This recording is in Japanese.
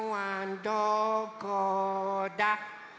どこだ？